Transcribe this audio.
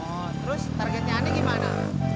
oh terus targetnya anda gimana